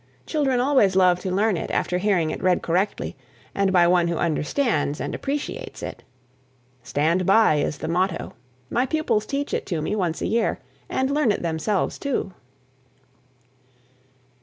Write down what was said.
Children always love to learn it after hearing it read correctly and by one who understands and appreciates it. "Stand by" is the motto. My pupils teach it to me once a year and learn it themselves, too.